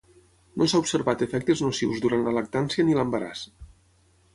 No s'ha observat efectes nocius durant la lactància ni l'embaràs.